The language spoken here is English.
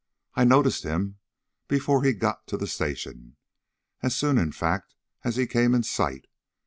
I noticed him before he got to the station; as soon in fact as he came in sight.